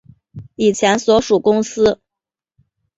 以前所属公司